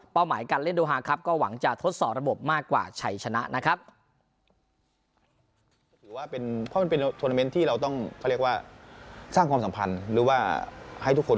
หมายการเล่นโดฮาครับก็หวังจะทดสอบระบบมากกว่าชัยชนะนะครับ